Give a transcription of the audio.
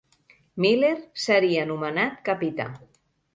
Miller seria nomenat capità.